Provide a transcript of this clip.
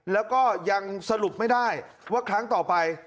แล้วก็ยังสรุปไม่ได้ว่าครั้งต่อไป